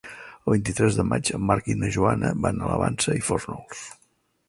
El vint-i-tres de maig en Marc i na Joana van a la Vansa i Fórnols.